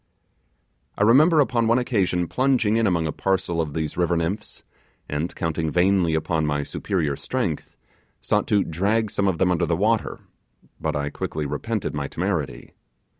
I remember upon one occasion plunging in among a parcel of these river nymphs, and counting vainly on my superior strength, sought to drag some of them under the water, but I quickly repented my temerity.